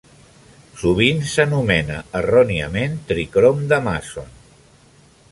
Sovint s'anomena erròniament tri-crom de Masson.